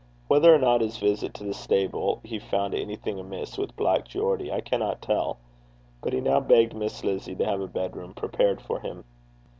Whether or not on his visit to the stable he found anything amiss with Black Geordie, I cannot tell, but he now begged Miss Lizzie to have a bedroom prepared for him.